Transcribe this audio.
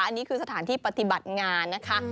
อันนี้คือสถานที่ปฏิบัติงานนะคะ